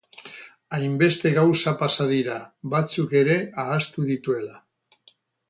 Hainbeste gauza pasa dira, batzuk ere ahaztu dituela.